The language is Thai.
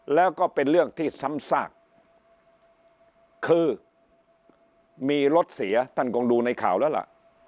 แล้วก็เป็นเรื่องที่ซ้ำซากคือมีรถเสียท่านคงดูในข่าวแล้วล่ะ